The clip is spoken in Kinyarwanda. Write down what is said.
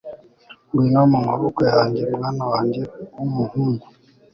Ngwino mu maboko yanjye mwana wanjye wumuhungu